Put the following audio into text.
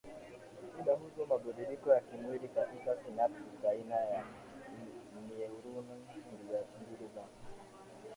Inahusu mabadiliko ya kimwili katika sinapsi baina ya neuroni mbili za